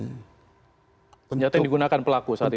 senjata yang digunakan pelaku saat itu ya